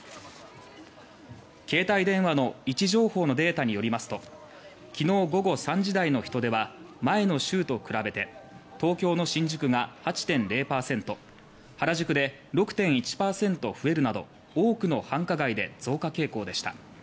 携帯電話の位置情報のデータによりますときのう午後３時台の人出は前の週と比べて東京の新宿が８．０％原宿で６．１％増えるなど多くの繁華街で増加傾向でした。